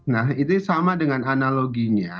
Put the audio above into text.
nah itu sama dengan analoginya